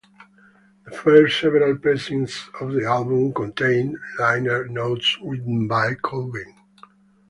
The first several pressings of the album contained liner notes written by Cobain.